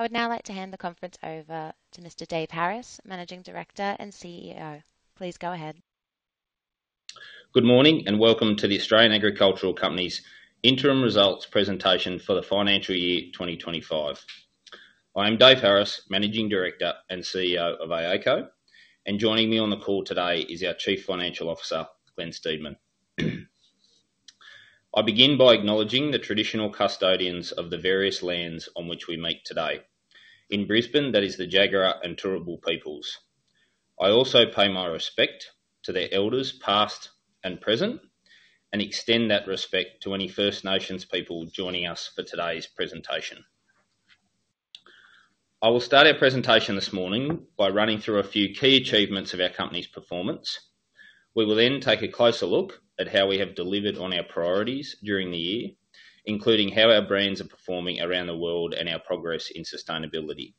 I would now like to hand the conference over to Mr. David Harris, Managing Director and CEO. Please go ahead. Good morning and welcome to the Australian Agricultural Company's Interim Results Presentation for the financial year 2025. I am Dave Harris, Managing Director and CEO of AACo, and joining me on the call today is our Chief Financial Officer, Glen Steedman. I begin by acknowledging the traditional custodians of the various lands on which we meet today in Brisbane, that is the Jagera and Turrbal peoples. I also pay my respect to their elders past and present, and extend that respect to any First Nations people joining us for today's presentation. I will start our presentation this morning by running through a few key achievements of our company's performance. We will then take a closer look at how we have delivered on our priorities during the year, including how our brands are performing around the world and our progress in sustainability.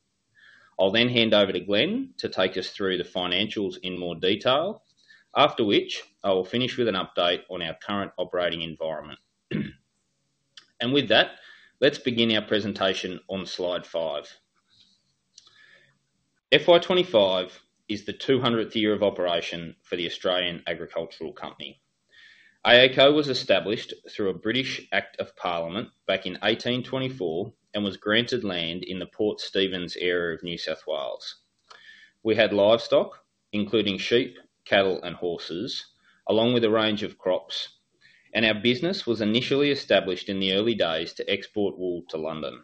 I'll then hand over to Glen to take us through the financials in more detail, after which I will finish with an update on our current operating environment, and with that, let's begin our presentation on slide five. FY25 is the 200th year of operation for the Australian Agricultural Company. AACo was established through a British Act of Parliament back in 1824 and was granted land in the Port Stephens area of New South Wales. We had livestock, including sheep, cattle, and horses, along with a range of crops, and our business was initially established in the early days to export wool to London.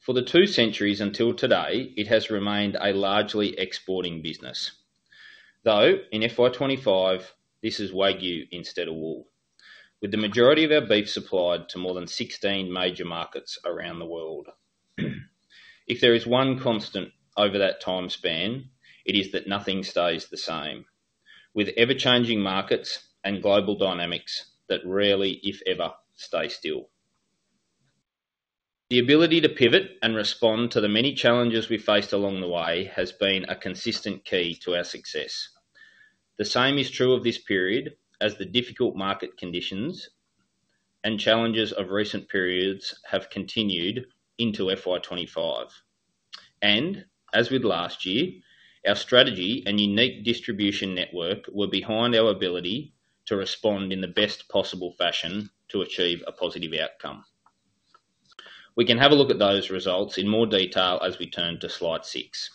For the two centuries until today, it has remained a largely exporting business, though in FY25 this is Wagyu instead of wool, with the majority of our beef supplied to more than 16 major markets around the world. If there is one constant over that time span, it is that nothing stays the same, with ever-changing markets and global dynamics that rarely, if ever, stay still. The ability to pivot and respond to the many challenges we faced along the way has been a consistent key to our success. The same is true of this period, as the difficult market conditions and challenges of recent periods have continued into FY25, and as with last year, our strategy and unique distribution network were behind our ability to respond in the best possible fashion to achieve a positive outcome. We can have a look at those results in more detail as we turn to slide six.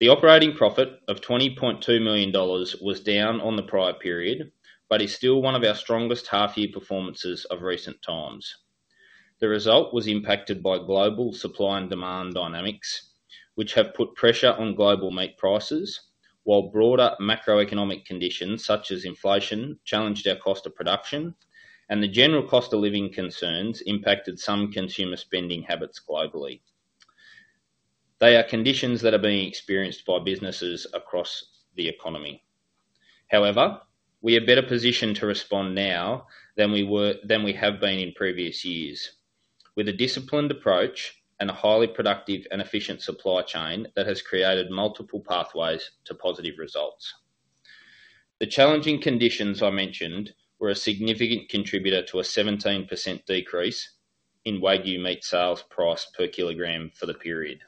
The operating profit of 20.2 million dollars was down on the prior period, but is still one of our strongest half-year performances of recent times. The result was impacted by global supply and demand dynamics, which have put pressure on global meat prices, while broader macroeconomic conditions such as inflation challenged our cost of production, and the general cost of living concerns impacted some consumer spending habits globally. They are conditions that are being experienced by businesses across the economy. However, we are better positioned to respond now than we have been in previous years, with a disciplined approach and a highly productive and efficient supply chain that has created multiple pathways to positive results. The challenging conditions I mentioned were a significant contributor to a 17% decrease in Wagyu meat sales price per kilogram for the period.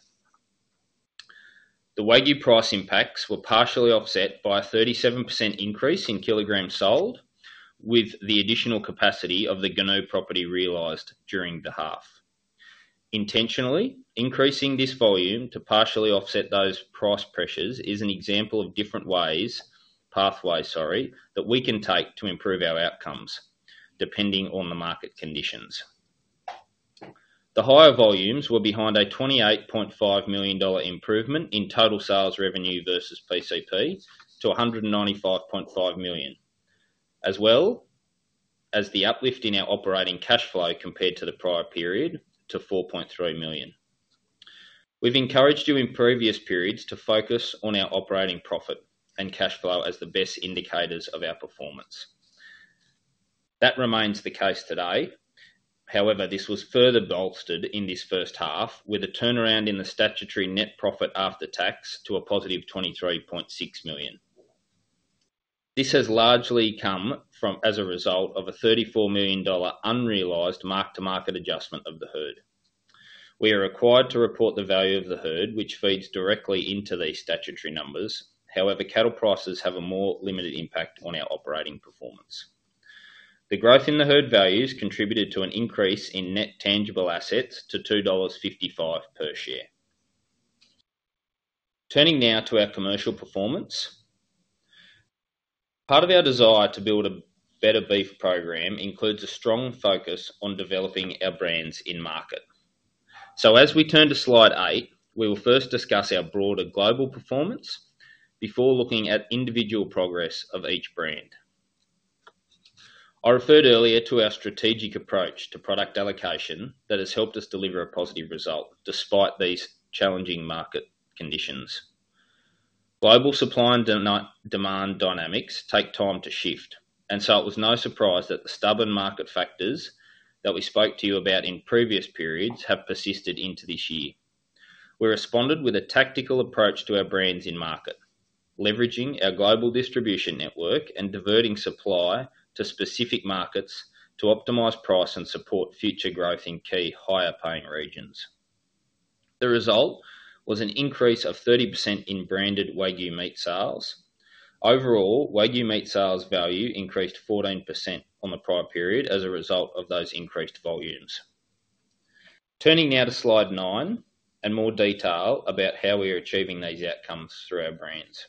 The Wagyu price impacts were partially offset by a 37% increase in kilograms sold, with the additional capacity of the Goonoo property realized during the half. Intentionally increasing this volume to partially offset those price pressures is an example of different ways, pathways, sorry, that we can take to improve our outcomes, depending on the market conditions. The higher volumes were behind a 28.5 million dollar improvement in total sales revenue versus PCP to 195.5 million, as well as the uplift in our operating cash flow compared to the prior period to 4.3 million. We've encouraged you in previous periods to focus on our operating profit and cash flow as the best indicators of our performance. That remains the case today. However, this was further bolstered in this first half with a turnaround in the statutory net profit after tax to a positive 23.6 million. This has largely come as a result of a 34 million dollar unrealized Mark-to-Market adjustment of the herd. We are required to report the value of the herd, which feeds directly into these statutory numbers. However, cattle prices have a more limited impact on our operating performance. The growth in the herd values contributed to an increase in net tangible assets to 2.55 dollars per share. Turning now to our commercial performance, part of our desire to build a better beef program includes a strong focus on developing our brands in market. So as we turn to slide eight, we will first discuss our broader global performance before looking at individual progress of each brand. I referred earlier to our strategic approach to product allocation that has helped us deliver a positive result despite these challenging market conditions. Global supply and demand dynamics take time to shift, and so it was no surprise that the stubborn market factors that we spoke to you about in previous periods have persisted into this year. We responded with a tactical approach to our brands in market, leveraging our global distribution network and diverting supply to specific markets to optimize price and support future growth in key higher-paying regions. The result was an increase of 30% in branded Wagyu meat sales. Overall, Wagyu meat sales value increased 14% on the prior period as a result of those increased volumes. Turning now to slide nine and more detail about how we are achieving these outcomes through our brands.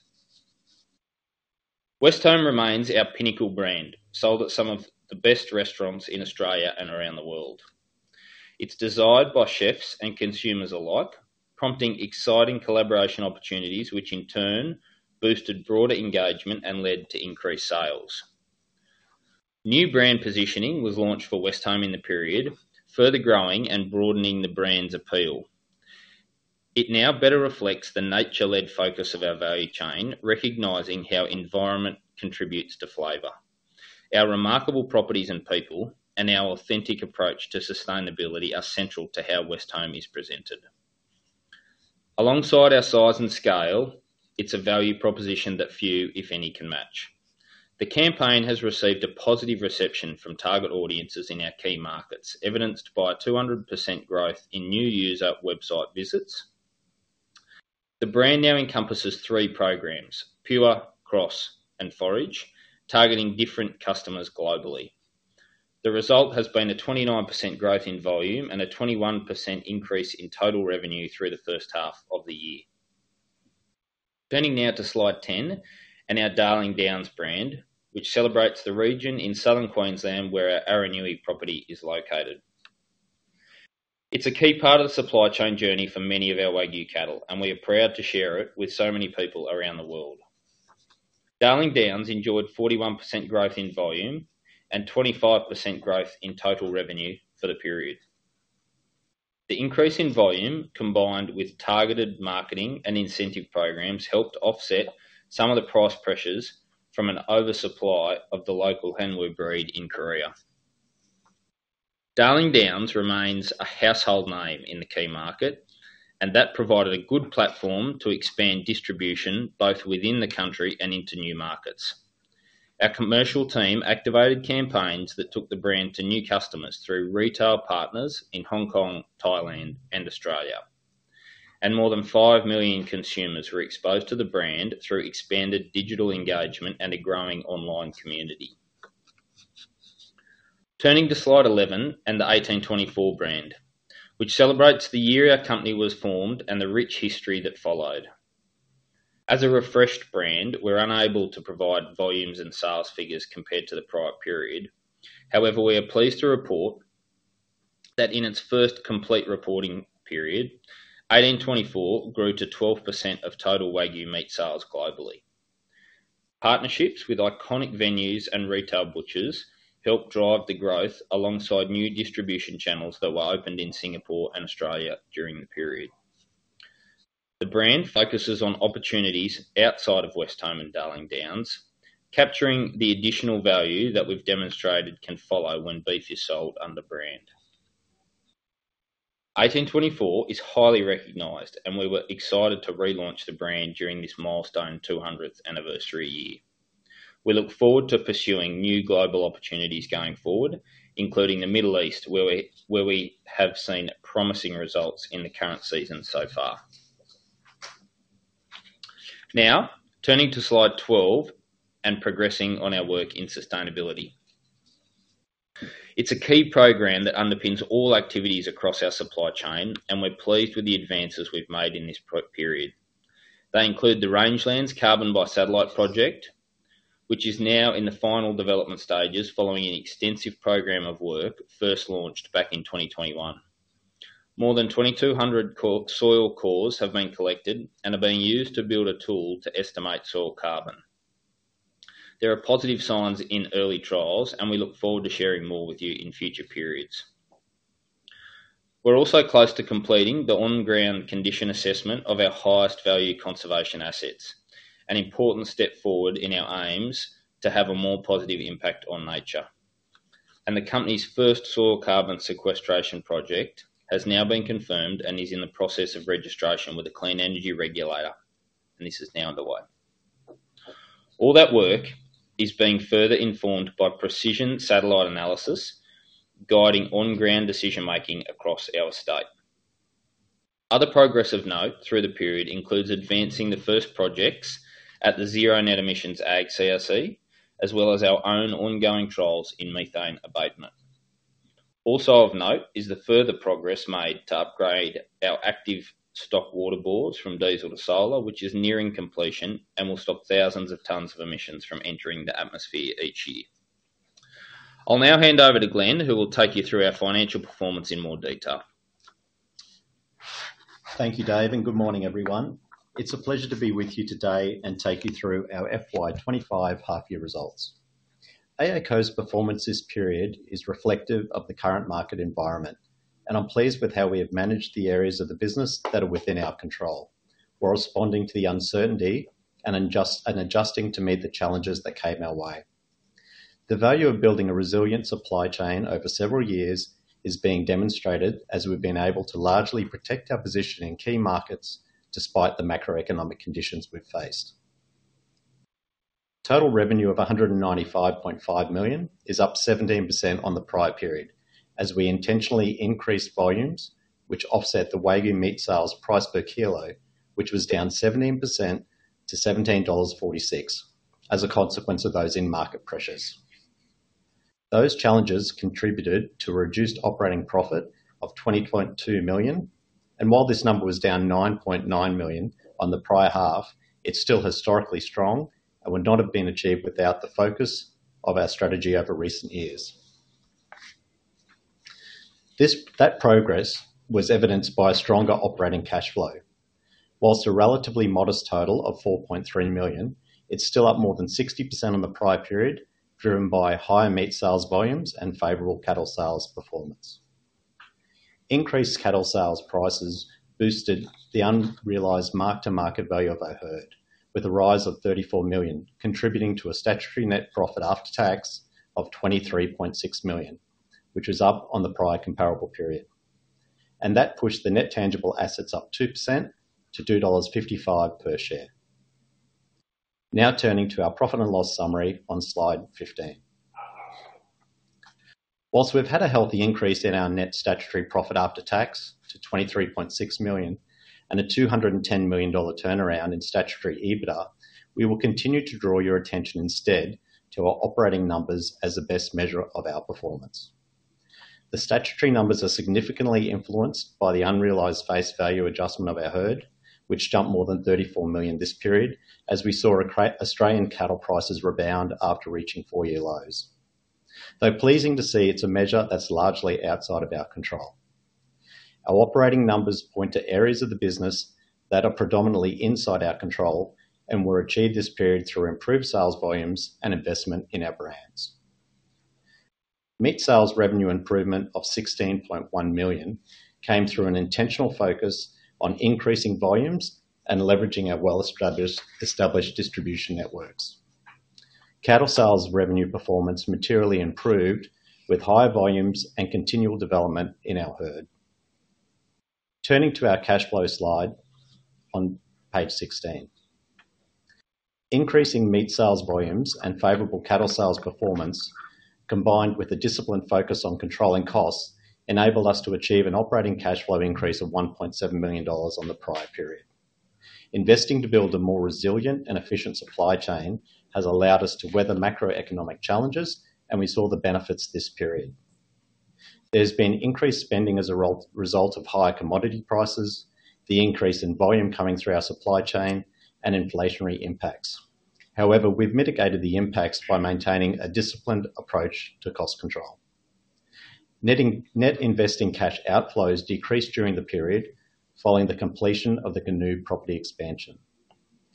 Westholme remains our pinnacle brand, sold at some of the best restaurants in Australia and around the world. It's desired by chefs and consumers alike, prompting exciting collaboration opportunities, which in turn boosted broader engagement and led to increased sales. New brand positioning was launched for Westholme in the period, further growing and broadening the brand's appeal. It now better reflects the nature-led focus of our value chain, recognizing how environment contributes to flavor. Our remarkable properties and people and our authentic approach to sustainability are central to how Westholme is presented. Alongside our size and scale, it's a value proposition that few, if any, can match. The campaign has received a positive reception from target audiences in our key markets, evidenced by a 200% growth in new user website visits. The brand now encompasses three programs, Pure, Cross, and Forage, targeting different customers globally. The result has been a 29% growth in volume and a 21% increase in total revenue through the first half of the year. Turning now to slide 10 and our Darling Downs brand, which celebrates the region in Southern Queensland where our Aranui property is located. It's a key part of the supply chain journey for many of our Wagyu cattle, and we are proud to share it with so many people around the world. Darling Downs enjoyed 41% growth in volume and 25% growth in total revenue for the period. The increase in volume, combined with targeted marketing and incentive programs, helped offset some of the price pressures from an oversupply of the local Hanwoo breed in Korea. Darling Downs remains a household name in the key market, and that provided a good platform to expand distribution both within the country and into new markets. Our commercial team activated campaigns that took the brand to new customers through retail partners in Hong Kong, Thailand, and Australia, and more than five million consumers were exposed to the brand through expanded digital engagement and a growing online community. Turning to slide 11 and the 1824 brand, which celebrates the year our company was formed and the rich history that followed. As a refreshed brand, we're unable to provide volumes and sales figures compared to the prior period. However, we are pleased to report that in its first complete reporting period, 1824 grew to 12% of total Wagyu meat sales globally. Partnerships with iconic venues and retail butchers helped drive the growth alongside new distribution channels that were opened in Singapore and Australia during the period. The brand focuses on opportunities outside of Westholme and Darling Downs, capturing the additional value that we've demonstrated can follow when beef is sold under brand. 1824 is highly recognized, and we were excited to relaunch the brand during this milestone 200th anniversary year. We look forward to pursuing new global opportunities going forward, including the Middle East, where we have seen promising results in the current season so far. Now, turning to slide 12 and progressing on our work in sustainability. It's a key program that underpins all activities across our supply chain, and we're pleased with the advances we've made in this period. They include the Rangelands Carbon by Satellite project, which is now in the final development stages following an extensive program of work first launched back in 2021. More than 2,200 soil cores have been collected and are being used to build a tool to estimate soil carbon. There are positive signs in early trials, and we look forward to sharing more with you in future periods. We're also close to completing the on-ground condition assessment of our highest value conservation assets, an important step forward in our aims to have a more positive impact on nature, and the company's first soil carbon sequestration project has now been confirmed and is in the process of registration with a Clean Energy Regulator, and this is now underway. All that work is being further informed by precision satellite analysis, guiding on-ground decision-making across our state. Other progress of note through the period includes advancing the first projects at the Zero Net Emissions Ag CRC, as well as our own ongoing trials in methane abatement. Also of note is the further progress made to upgrade our active stock water bores from diesel to solar, which is nearing completion and will stop thousands of tons of emissions from entering the atmosphere each year. I'll now hand over to Glen, who will take you through our financial performance in more detail. Thank you, Dave, and good morning, everyone. It's a pleasure to be with you today and take you through our FY25 half-year results. AACo's performance this period is reflective of the current market environment, and I'm pleased with how we have managed the areas of the business that are within our control, while responding to the uncertainty and adjusting to meet the challenges that came our way. The value of building a resilient supply chain over several years is being demonstrated as we've been able to largely protect our position in key markets despite the macroeconomic conditions we've faced. Total revenue of 195.5 million is up 17% on the prior period as we intentionally increased volumes, which offset the Wagyu meat sales price per kilo, which was down 17% to 17.46 dollars as a consequence of those in-market pressures. Those challenges contributed to a reduced operating profit of 20.2 million, and while this number was down 9.9 million on the prior half, it's still historically strong and would not have been achieved without the focus of our strategy over recent years. That progress was evidenced by a stronger operating cash flow. While a relatively modest total of 4.3 million, it's still up more than 60% on the prior period, driven by higher meat sales volumes and favorable cattle sales performance. Increased cattle sales prices boosted the unrealized mark-to-market value of our herd, with a rise of 34 million, contributing to a statutory net profit after tax of 23.6 million, which was up on the prior comparable period, and that pushed the net tangible assets up 2% to 2.55 dollars per share. Now turning to our profit and loss summary on slide 15. While we've had a healthy increase in our net statutory profit after tax to 23.6 million and a 210 million dollar turnaround in statutory EBITDA, we will continue to draw your attention instead to our operating numbers as the best measure of our performance. The statutory numbers are significantly influenced by the unrealized face value adjustment of our herd, which jumped more than 34 million this period, as we saw Australian cattle prices rebound after reaching four-year lows. Though pleasing to see, it's a measure that's largely outside of our control. Our operating numbers point to areas of the business that are predominantly inside our control and were achieved this period through improved sales volumes and investment in our brands. Meat sales revenue improvement of 16.1 million came through an intentional focus on increasing volumes and leveraging our well-established distribution networks. Cattle sales revenue performance materially improved with higher volumes and continual development in our herd. Turning to our cash flow slide on page 16. Increasing meat sales volumes and favorable cattle sales performance, combined with a disciplined focus on controlling costs, enabled us to achieve an operating cash flow increase of 1.7 million dollars on the prior period. Investing to build a more resilient and efficient supply chain has allowed us to weather macroeconomic challenges, and we saw the benefits this period. There's been increased spending as a result of higher commodity prices, the increase in volume coming through our supply chain, and inflationary impacts. However, we've mitigated the impacts by maintaining a disciplined approach to cost control. Net investing cash outflows decreased during the period following the completion of the Goonoo property expansion,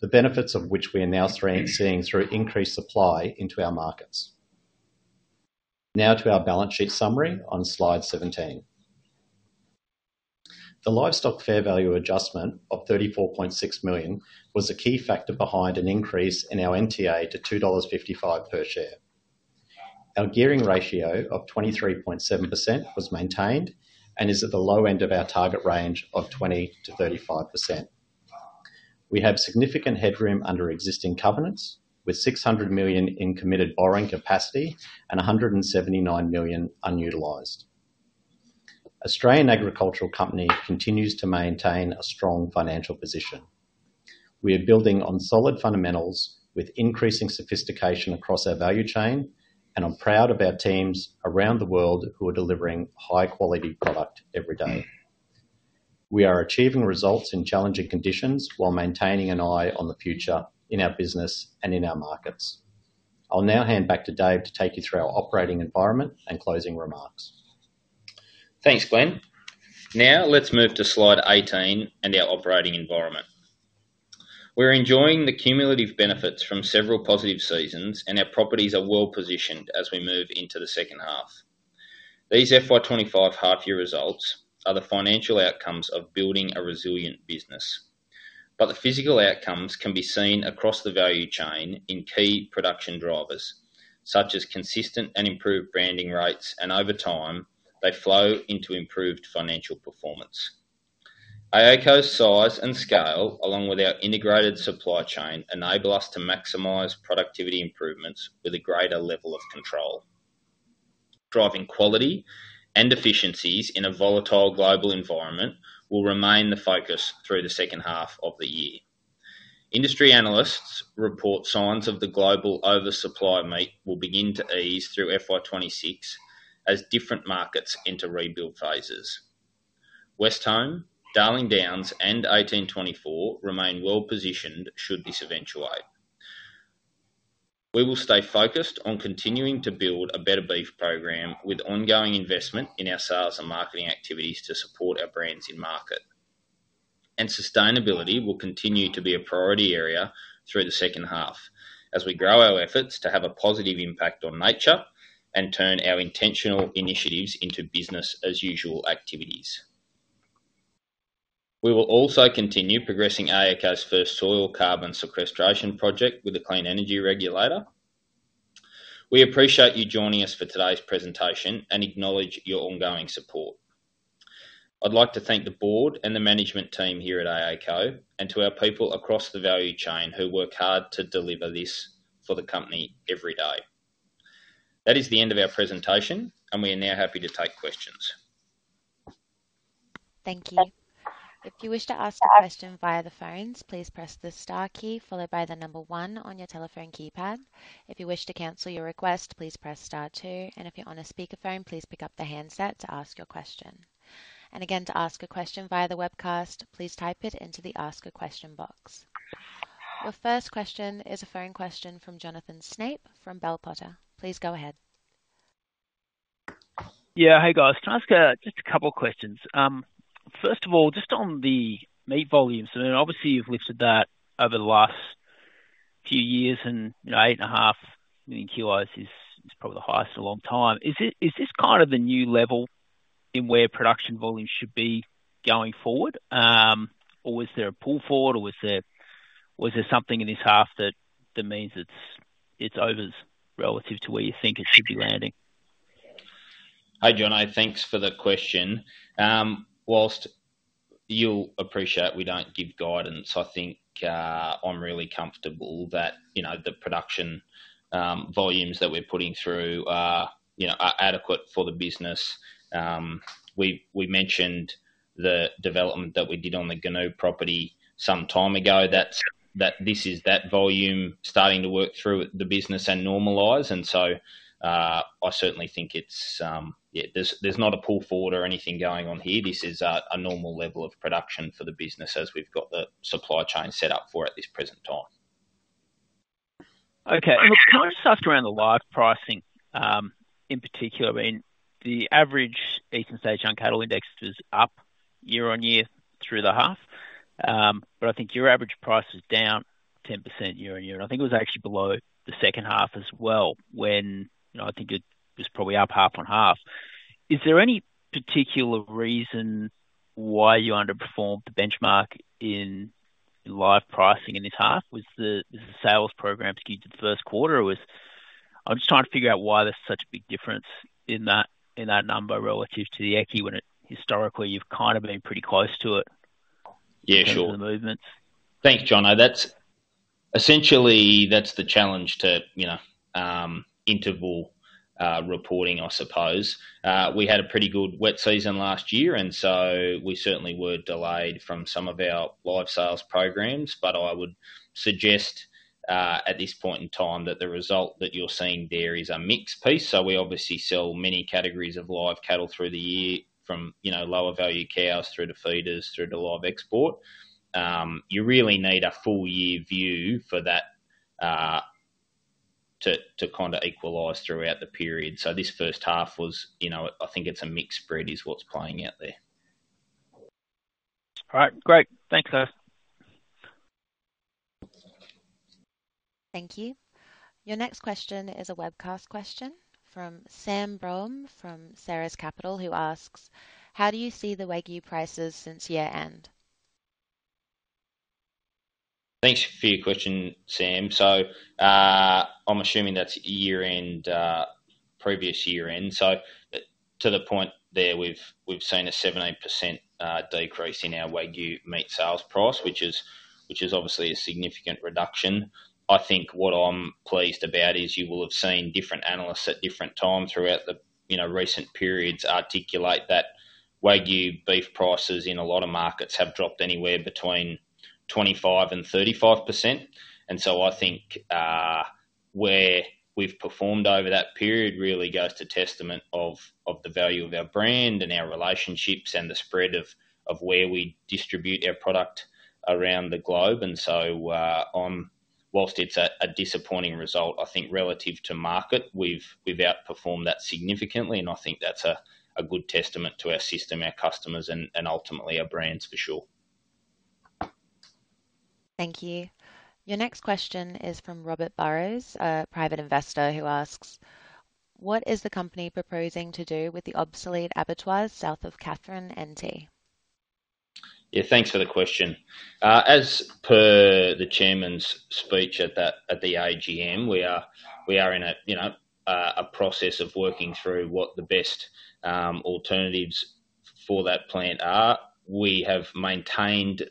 the benefits of which we are now seeing through increased supply into our markets. Now to our balance sheet summary on slide 17. The livestock fair value adjustment of 34.6 million was a key factor behind an increase in our NTA to 2.55 dollars per share. Our gearing ratio of 23.7% was maintained and is at the low end of our target range of 20%-35%. We have significant headroom under existing covenants, with 600 million in committed borrowing capacity and 179 million unutilized. Australian Agricultural Company continues to maintain a strong financial position. We are building on solid fundamentals with increasing sophistication across our value chain, and I'm proud of our teams around the world who are delivering high-quality product every day. We are achieving results in challenging conditions while maintaining an eye on the future in our business and in our markets. I'll now hand back to Dave to take you through our operating environment and closing remarks. Thanks, Glen. Now let's move to slide 18 and our operating environment. We're enjoying the cumulative benefits from several positive seasons, and our properties are well positioned as we move into the second half. These FY25 half-year results are the financial outcomes of building a resilient business, but the physical outcomes can be seen across the value chain in key production drivers, such as consistent and improved branding rates, and over time, they flow into improved financial performance. AACo's size and scale, along with our integrated supply chain, enable us to maximize productivity improvements with a greater level of control. Driving quality and efficiencies in a volatile global environment will remain the focus through the second half of the year. Industry analysts report signs of the global oversupply meat will begin to ease through FY26 as different markets enter rebuild phases. Westholme, Darling Downs, and 1824 remain well positioned should this eventuate. We will stay focused on continuing to build a better beef program with ongoing investment in our sales and marketing activities to support our brands in market, and sustainability will continue to be a priority area through the second half as we grow our efforts to have a positive impact on nature and turn our intentional initiatives into business-as-usual activities. We will also continue progressing AACo's first soil carbon sequestration project with the Clean Energy Regulator. We appreciate you joining us for today's presentation and acknowledge your ongoing support. I'd like to thank the board and the management team here at AACo and to our people across the value chain who work hard to deliver this for the company every day. That is the end of our presentation, and we are now happy to take questions. Thank you. If you wish to ask a question via the phones, please press the star key followed by the number one on your telephone keypad. If you wish to cancel your request, please press star two. And if you're on a speakerphone, please pick up the handset to ask your question. And again, to ask a question via the webcast, please type it into the ask a question box. Your first question is a phone question from Jonathan Snape from Bell Potter. Please go ahead. Yeah, hey guys, can I ask just a couple of questions? First of all, just on the meat volumes, I mean, obviously you've lifted that over the last few years, and eight and a half million kilos is probably the highest in a long time. Is this kind of the new level in where production volume should be going forward, or was there a pull forward, or was there something in this half that means it's over relative to where you think it should be landing? Hey, John, thanks for the question. While you'll appreciate we don't give guidance, I think I'm really comfortable that the production volumes that we're putting through are adequate for the business. We mentioned the development that we did on the Goonoo property some time ago, that this is that volume starting to work through the business and normalize. And so I certainly think it's; there's not a pull forward or anything going on here. This is a normal level of production for the business as we've got the supply chain set up for at this present time. Okay. It's kind of soft around the live pricing in particular. I mean, the average Eastern Young Cattle Indicator was up year on year through the half, but I think your average price was down 10% year on year. And I think it was actually below the second half as well when I think it was probably up half on half. Is there any particular reason why you underperformed the benchmark in live pricing in this half? Was the sales program skewed to the first quarter? I'm just trying to figure out why there's such a big difference in that number relative to the EYCI when historically you've kind of been pretty close to it in terms of the movements. Yeah, sure. Thanks, John. Essentially, that's the challenge to interim reporting, I suppose. We had a pretty good wet season last year, and so we certainly were delayed from some of our live sales programs, but I would suggest at this point in time that the result that you're seeing there is a mixed piece. So we obviously sell many categories of live cattle through the year from lower value cows through to feeders through to live export. You really need a full year view for that to kind of equalize throughout the period. So this first half was, I think it's a mixed spread is what's playing out there. All right, great. Thanks, guys. Thank you. Your next question is a webcast question from Sam Broom from Ceres Capital, who asks, how do you see the Wagyu prices since year-end? Thanks for your question, Sam. So I'm assuming that's year-end, previous year-end. So to the point there, we've seen a 17% decrease in our Wagyu meat sales price, which is obviously a significant reduction. I think what I'm pleased about is you will have seen different analysts at different times throughout the recent periods articulate that Wagyu beef prices in a lot of markets have dropped anywhere between 25% and 35%. And so I think where we've performed over that period really goes to testament of the value of our brand and our relationships and the spread of where we distribute our product around the globe. And so whilst it's a disappointing result, I think relative to market, we've outperformed that significantly, and I think that's a good testament to our system, our customers, and ultimately our brands for sure. Thank you. Your next question is from Robert Burrows, a private investor who asks, what is the company proposing to do with the obsolete abattoirs south of Katherine NT? Yeah, thanks for the question. As per the chairman's speech at the AGM, we are in a process of working through what the best alternatives for that plant are. We have maintained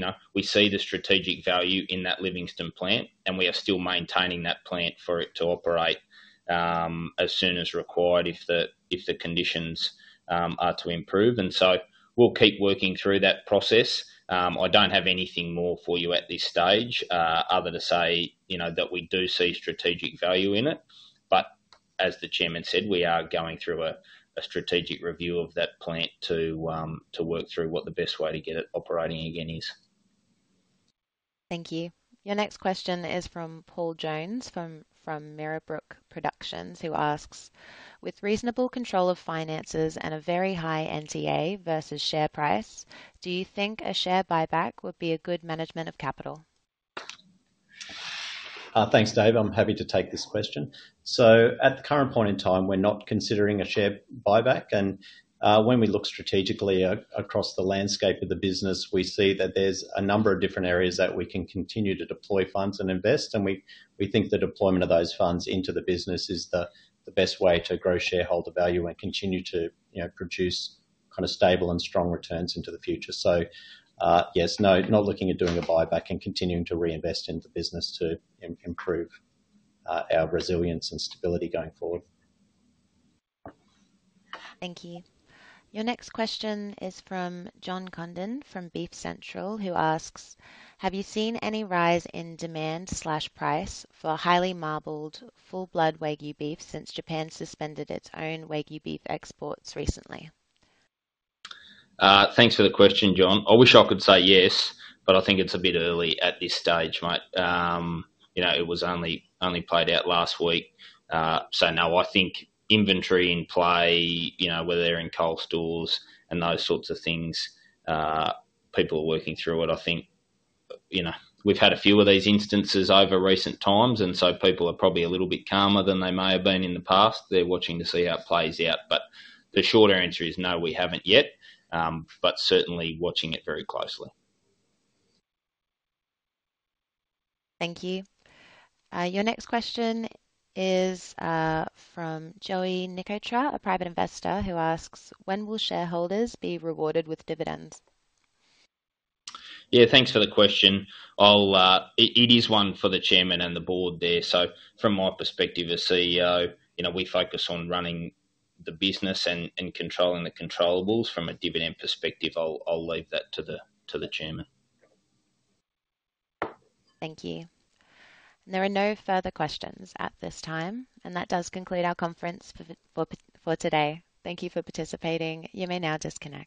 that we see the strategic value in that Livingstone plant, and we are still maintaining that plant for it to operate as soon as required if the conditions are to improve. So we'll keep working through that process. I don't have anything more for you at this stage other than to say that we do see strategic value in it. As the chairman said, we are going through a strategic review of that plant to work through what the best way to get it operating again is. Thank you. Your next question is from Paul Jones from Marybrook Productions, who asks, with reasonable control of finances and a very high NTA versus share price, do you think a share buyback would be a good management of capital? Thanks, Dave. I'm happy to take this question. So at the current point in time, we're not considering a share buyback. And when we look strategically across the landscape of the business, we see that there's a number of different areas that we can continue to deploy funds and invest. And we think the deployment of those funds into the business is the best way to grow shareholder value and continue to produce kind of stable and strong returns into the future. So yes, not looking at doing a buyback and continuing to reinvest in the business to improve our resilience and stability going forward. Thank you. Your next question is from John Condon from Beef Central, who asks, have you seen any rise in demand or price for highly marbled full-blood Wagyu beef since Japan suspended its own Wagyu beef exports recently? Thanks for the question, John. I wish I could say yes, but I think it's a bit early at this stage. It was only played out last week. So no, I think inventory in play, whether they're in cold stores and those sorts of things, people are working through it. I think we've had a few of these instances over recent times, and so people are probably a little bit calmer than they may have been in the past. They're watching to see how it plays out. But the short answer is no, we haven't yet, but certainly watching it very closely. Thank you. Your next question is from Joey Nicotra, a private investor who asks, when will shareholders be rewarded with dividends? Yeah, thanks for the question. It is one for the chairman and the board there. So from my perspective as CEO, we focus on running the business and controlling the controllable. From a dividend perspective, I'll leave that to the chairman. Thank you. And there are no further questions at this time, and that does conclude our conference for today. Thank you for participating. You may now disconnect.